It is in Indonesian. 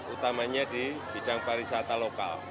utamanya di bidang pariwisata lokal